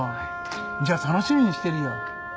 じゃ楽しみにしてるよ